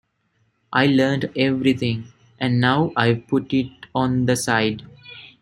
I learnt everything, and now I've put it on the side.